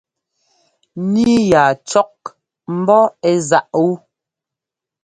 Níi ya cɔ́k ḿbɔ́ ɛ́ záꞌ wú.